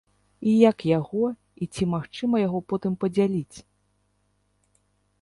І як яго, і ці магчыма яго потым падзяліць?